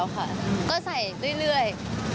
ก็ใส่เรื่อย